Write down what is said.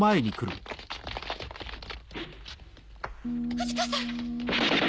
不二子さん！